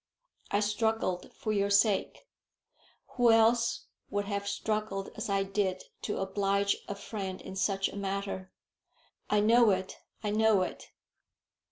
I struggled, for your sake. Who else would have struggled as I did to oblige a friend in such a matter?" "I know it I know it."